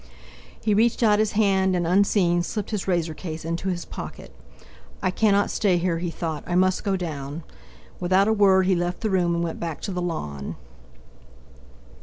He reached out his hand, and, unseen, slipped his razor case into his pocket. "I cannot stay here," he thought, "I must go down!" Without a word he left the room, and went back to the lawn.